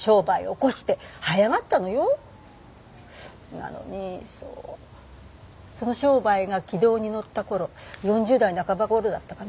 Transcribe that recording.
なのにそうその商売が軌道に乗った頃４０代半ば頃だったかな？